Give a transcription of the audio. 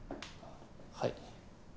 はい。